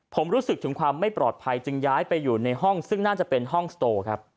ผมรู้สึกถึงความไม่ปลอดภัยจึงย้ายไปอยู่ในห้องซึ่งน่าจะเป็นห้องสโตครับ